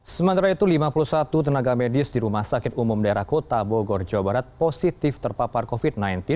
sementara itu lima puluh satu tenaga medis di rumah sakit umum daerah kota bogor jawa barat positif terpapar covid sembilan belas